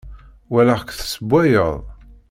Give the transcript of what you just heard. Walaɣ-k tessewwayeḍ.